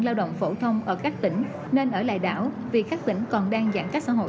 lao động phổ thông ở các tỉnh nên ở lại đảo vì các tỉnh còn đang giãn cách xã hội